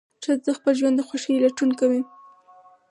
ښځه د خپل ژوند د خوښۍ لټون کوي.